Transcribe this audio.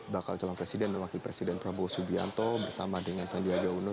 bakal calon presiden dan wakil presiden prabowo subianto bersama dengan sandiaga uno